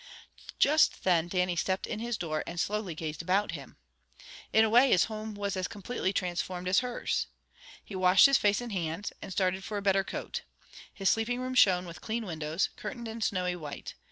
Just then Dannie stepped in his door, and slowly gazed about him. In a way his home was as completely transformed as hers. He washed his face and hands, and started for a better coat. His sleeping room shone with clean windows, curtained in snowy white.